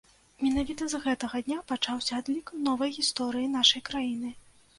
Менавіта з гэтага дня пачаўся адлік новай гісторыі нашай краіны.